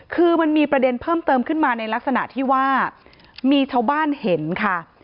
คือมันมีประเด็นเพิ่มเติมขึ้นมาในลักษณะที่ว่ามีชาวบ้านเห็นค่ะ